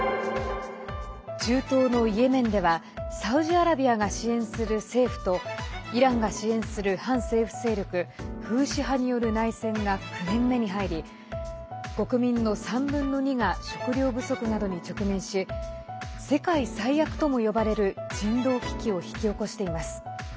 中東のイエメンではサウジアラビアが支援する政府とイランが支援する反政府勢力フーシ派による内戦が９年目に入り国民の３分の２が食料不足などに直面し世界最悪とも呼ばれる人道危機を引き起こしています。